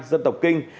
dân tộc kinh